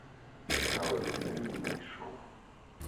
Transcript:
Але до неї не йшов.